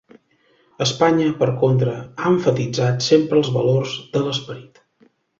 Espanya, per contra, ha emfatitzat sempre els valors de l'esperit.